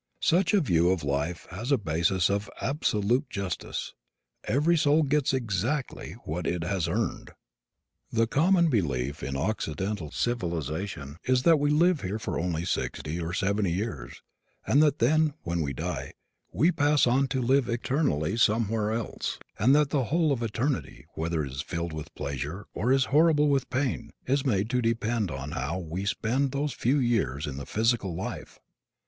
Such a view of life has a basis of absolute justice. Every soul gets exactly what it has earned. The common belief in Occidental civilization is that we live here for only sixty or seventy years and that then, when we die, we pass on to live eternally somewhere else, and that the whole of eternity, whether it is filled with pleasure or is horrible with pain, is made to depend on how we spent those few years of the physical life!